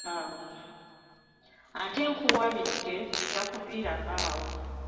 Ate nkuwabidde takuviirako awo .